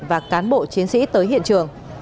và cán bộ chiến sĩ tới hiện trường